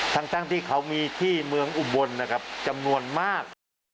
ทั้งที่เขามีที่เมืองอุบลนะครับจำนวนมาก